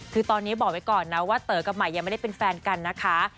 คือตอนนี้บอกไว้ก่อนนะว่าเต๋อกับใหม่ยังไม่ได้เป็นแฟนกันนะคะ